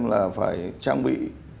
là phải trang bị